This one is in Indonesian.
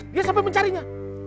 dia sampai mencarinya